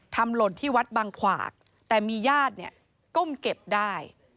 ทำหล่นที่วัดบางขวากแต่มีญาติก้มเก็บได้